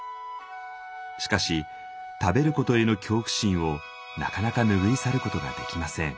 しかし食べることへの恐怖心をなかなか拭い去ることができません。